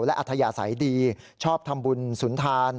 และอัธยาศัยดีชอบทำบุญสุนทาน